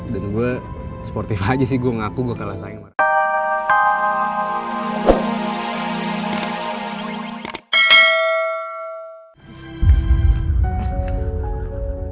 dan gue sportif aja sih gue ngaku gue kalah sayang banget